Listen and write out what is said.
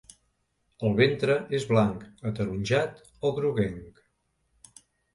El ventre és blanc, ataronjat o groguenc.